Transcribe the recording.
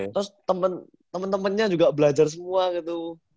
terus temen temennya juga belajar semua gitu